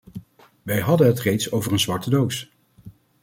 Wij hadden het reeds over een zwarte doos.